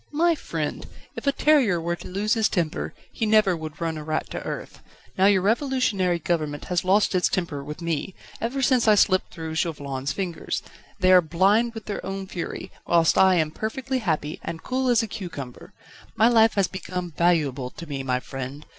"My friend! if a terrier were to lose his temper, he never would run a rat to earth. Now your Revolutionary Government has lost its temper with me, ever since I slipped through Chauvelin's fingers; they are blind with their own fury, whilst I am perfectly happy and cool as a cucumber. My life has become valuable to me, my friend.